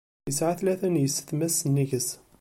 Yesεa tlata n yisetma-s sennig-s.